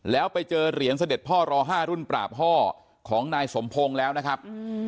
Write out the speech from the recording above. แล้วไปเจอเหรียญเสด็จพ่อรอ๕รุ่นปราบห้อของนายสมพงศ์แล้วนะครับ